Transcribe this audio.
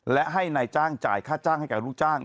และให้นายจ้างจ่ายค่าจ้างให้กับลูกจ้าง